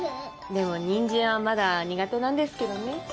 でもニンジンはまだ苦手なんですけどね。